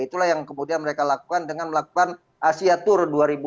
itulah yang kemudian mereka lakukan dengan melakukan asia tour dua ribu dua puluh